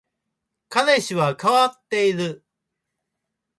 彼氏は変わっている